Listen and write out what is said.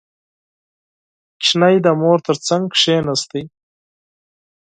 • ماشوم د مور تر څنګ کښېناست.